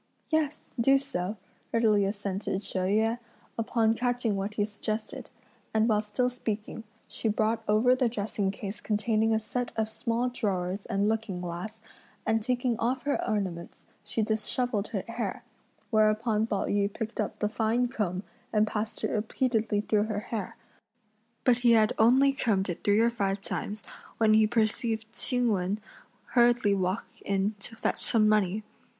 "Yes! do so!" readily assented She Yüeh, upon catching what he suggested; and while still speaking, she brought over the dressing case containing a set of small drawers and looking glass, and taking off her ornaments, she dishevelled her hair; whereupon Pao yü picked up the fine comb and passed it repeatedly through her hair; but he had only combed it three or five times, when he perceived Ch'ing Wen hurriedly walk in to fetch some money.